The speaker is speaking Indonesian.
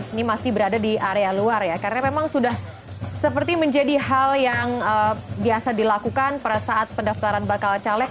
ini masih berada di area luar ya karena memang sudah seperti menjadi hal yang biasa dilakukan pada saat pendaftaran bakal caleg